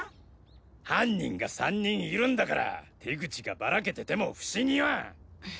犯人が３人いるんだから手口がバラけてても不思議は。